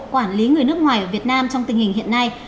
quản lý người nước ngoài ở việt nam trong tình hình hiện nay